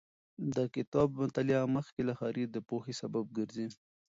د کتاب مطالعه مخکې له خرید د پوهې سبب ګرځي.